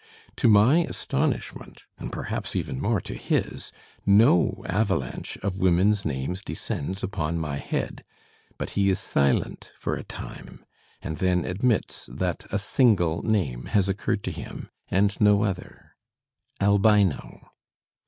To my astonishment, and perhaps even more to his, no avalanche of women's names descends upon my head, but he is silent for a time, and then admits that a single name has occurred to him and no other: Albino.